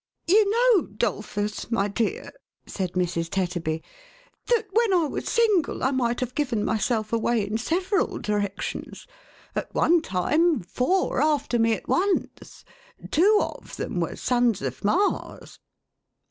" You know, 'Dolphus, my dear," said Mrs. Tetterby, " that when I was single, I might have given myself away in several directions. At one time, four after me at once ; two of them were sons of Mars."